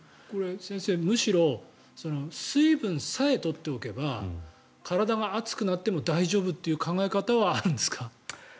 先生、むしろ水分さえ取っておけば体が熱くなっても大丈夫という考え方はあるんですか？